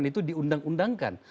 aturan itu diundang undangkan